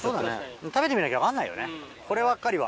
食べてみなきゃ分かんないよね、こればっかりは。